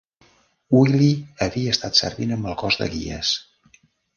Wylly havia estat servint amb el Cos de Guies.